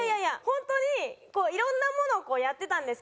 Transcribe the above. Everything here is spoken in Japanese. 本当にいろんなものをやってたんですけどその中で。